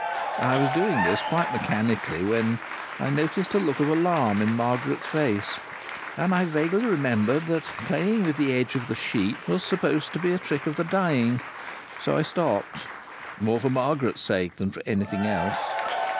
I was doing this quite mechanically when I noticed a look of alarm in Margaret's face, and I vaguely remembered that playing with the edge of the sheet was supposed to be a trick of the dying. So I stopped, more for Margaret's sake than for anything else.